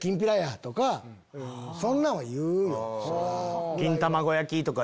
そんなんは言うよ。